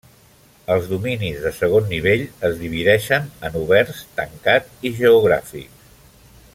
Els dominis de segon nivell es divideixen en oberts, tancat i geogràfics.